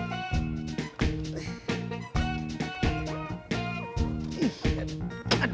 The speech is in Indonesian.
aduh abang hati hati